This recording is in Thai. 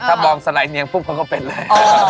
ถ้ามองสลายเนียงปุ๊บเขาก็เป็นเลย